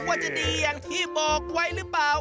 ว่าจะดีอย่างที่บอกไว้หรือเปล่า